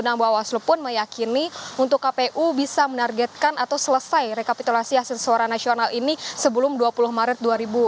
nah bawaslu pun meyakini untuk kpu bisa menargetkan atau selesai rekapitulasi hasil suara nasional ini sebelum dua puluh maret dua ribu dua puluh